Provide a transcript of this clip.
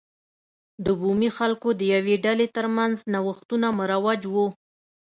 د بومي خلکو د یوې ډلې ترمنځ نوښتونه مروج و.